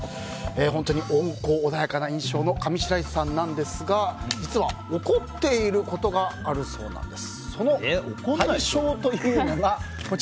本当に温厚、穏やかな印象の上白石さんなんですが実は怒っていることがあるそうなんです。